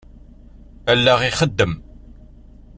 Allaɣ ixeddem.